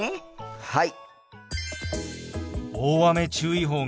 はい！